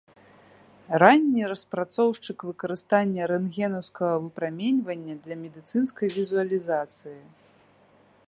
Ранні распрацоўшчык выкарыстання рэнтгенаўскага выпраменьвання для медыцынскай візуалізацыі.